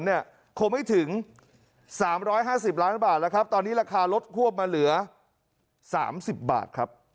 คงไม่ถึง๓๕๐ล้านบาทตอนนี้ราคารดลดควบมาเหลือ๓๐บาท